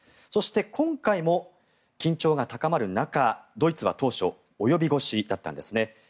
そして、今回も緊張が高まる中ドイツは当初、及び腰だったんですね。